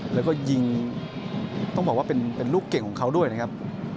แล้วก็ยิงต้องบอกว่าเป็นลูกเก่งของเขาด้วยนะครับ